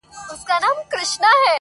په حضور كي ورته جمع درباريان سول٫